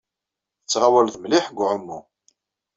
Tettɣawaleḍ mliḥ deg uɛumu.